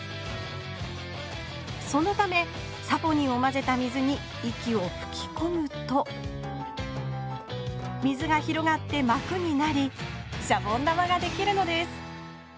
そのためサポニンをまぜた水に息をふきこむと水が広がってまくになりシャボン玉ができるのです